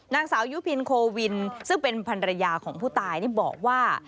นางสาวยุพินโควินซึ่งเป็นภรรยาของผู้ตายนี่บอกว่า